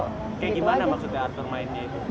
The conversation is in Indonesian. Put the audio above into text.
kayak gimana maksudnya atur mainnya itu